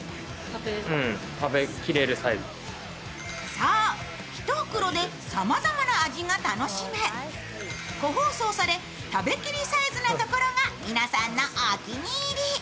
そう、１袋でさまざまな味が楽しめ個包装され、食べきりサイズなところが皆さんのお気に入り。